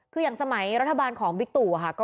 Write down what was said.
คืออย่างสมัยรัฐบาลของบิ๊กตู่ค่ะ